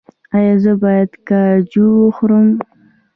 ایا زه باید کاجو وخورم؟